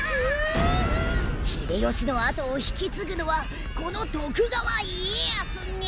秀吉のあとをひきつぐのはこの徳川家康ニャ！